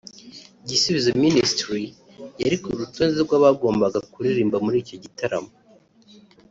Gisubizo Ministries yari ku rutonde rw’abagombaga kuririmba muri icyo gitaramo